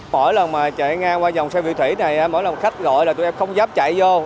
mỗi lần mà chạy ngang qua dòng xe mỹ thủy này mỗi lần khách gọi là tụi em không dám chạy vô